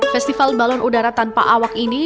festival balon udara tanpa awak ini